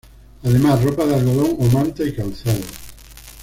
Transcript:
Además ropa de algodón o manta y calzado.